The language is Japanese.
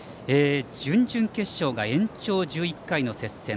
準々決勝が延長１１回の接戦。